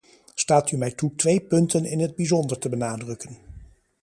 Staat u mij toe twee punten in het bijzonder te benadrukken.